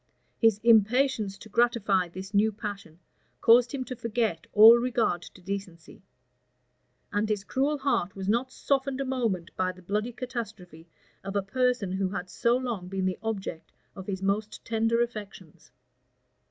[*] His impatience to gratify this new passion caused him to forgot all regard to decency; and his cruel heart was not softened a moment by the bloody catastrophe of a person who had so long been the object of his most tender affections.